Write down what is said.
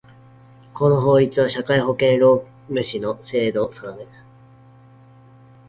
この法律は、社会保険労務士の制度を定め